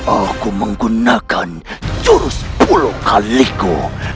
aku menggunakan jurus puluh kaliku